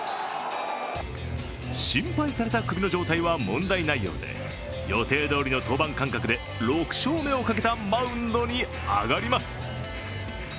心配された首の状態は問題ないようで予定どおりの登板間隔で６勝目をかけたマウンドに上がります。